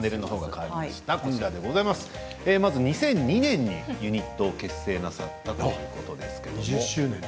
２００２年にユニット結成なさったということです。